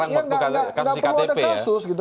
iya gak perlu ada kasus gitu